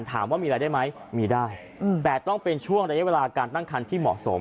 ถามว่ามีอะไรได้ไหมมีได้แต่ต้องเป็นช่วงระยะเวลาการตั้งคันที่เหมาะสม